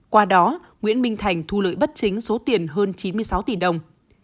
qua đó nguyễn minh thành thu lợi bất chính số tiền hơn chín mươi sáu tỷ đồng